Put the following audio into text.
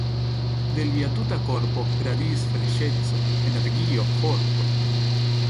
De lia tuta korpo radiis freŝeco, energio, forto.